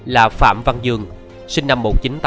là phạm văn dương sinh năm một nghìn chín trăm tám mươi